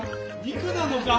肉なのか？